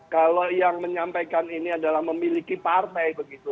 kalau yang menyampaikan ini adalah memiliki partai begitu